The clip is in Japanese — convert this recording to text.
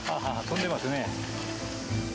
飛んでますね。